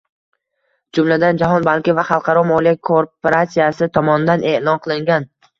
Jumladan, Jahon banki va Xalqaro moliya korporatsiyasi tomonidan e’lon qilingan